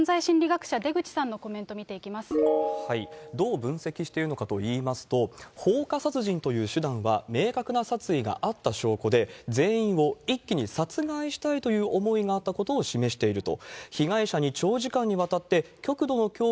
そして、犯罪心理学者、どう分析しているのかといいますと、放火殺人という手段は、明確な殺意があった証拠で、全員を一気に殺害したいという思いがあったことを示していると。